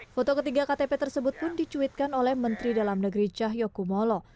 foto ketiga ktp tersebut pun dicuitkan oleh menteri dalam negeri cahyokumolo